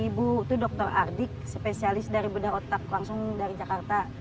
ibu itu dokter ardik spesialis dari bedah otak langsung dari jakarta